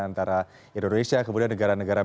antara indonesia kemudian negara negara